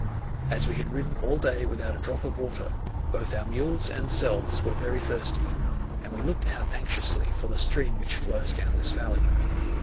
As we had ridden all day without a drop of water, both our mules and selves were very thirsty, and we looked out anxiously for the stream which flows down this valley.